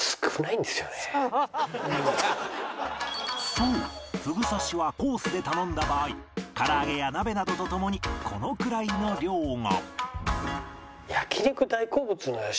そうふぐ刺しはコースで頼んだ場合唐揚げや鍋などとともにこのくらいの量が